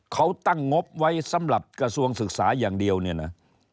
เขาตั้งงบไว้สำหรับกระทรวงศึกษาอย่างเดียวเนี่ยนะ